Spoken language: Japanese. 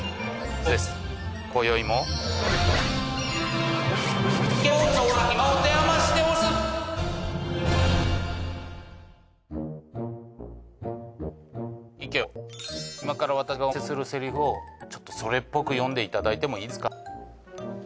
そうです今宵もイケ王今から私がお見せするセリフをちょっとそれっぽく読んでいただいてもいいですか？